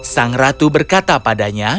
sang ratu berkata padanya